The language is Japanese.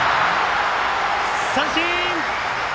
三振！